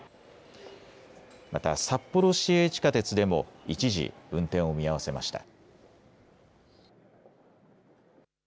また札幌市営地下鉄でも一時、運転を見合わせました。